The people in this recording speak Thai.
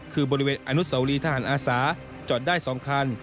คือบริเวณอนุสาวรีทหารอาสาจอดได้๒คัน